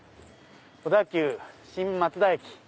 小田急新松田駅。